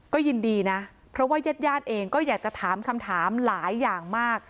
ก็ยินดีนะเพราะว่ายาดเองก็อยากจะถามคำถามหลายอย่างมาก